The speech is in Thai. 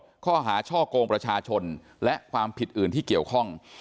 ข้อหาช่อกงประชาชนและความผิดอื่นที่เกี่ยวข้อง